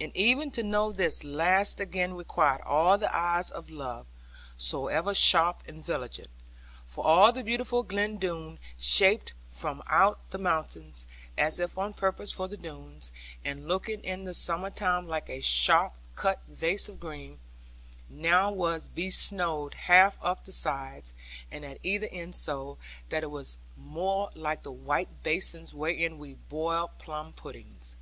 And even to know this last again required all the eyes of love, soever sharp and vigilant. For all the beautiful Glen Doone (shaped from out the mountains, as if on purpose for the Doones, and looking in the summer time like a sharp cut vase of green) now was besnowed half up the sides, and at either end so, that it was more like the white basins wherein we boil plum puddings.